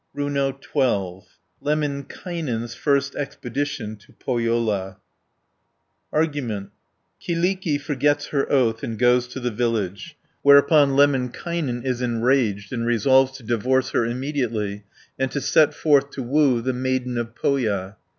RUNO XII. LEMMINKAINEN'S FIRST EXPEDITION TO POHJOLA Argument Kyllikki forgets her oath and goes to the village, whereupon Lemminkainen is enraged and resolves to divorce her immediately, and to set forth to woo the Maiden of Pohja (1 128).